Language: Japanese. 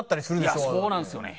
いやそうなんですよね。